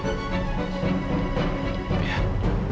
ya udah san